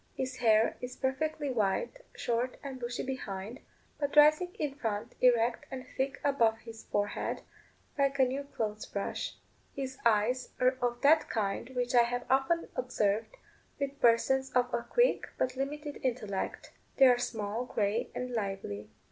His hair is perfectly white, short and bushy behind, but rising in front erect and thick above his forehead, like a new clothes brush. His eyes are of that kind which I have often observed with persons of a quick, but limited intellect they are small, grey, and lively.